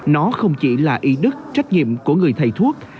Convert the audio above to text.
nó không chỉ là ý đức trách nhiệm của người thầy thuốc